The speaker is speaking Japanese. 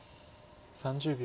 ３０秒。